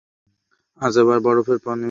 আজ আবার বরফের পানি পান করেছো?